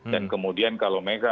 dan kemudian kalau mereka